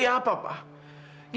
bukti apa pak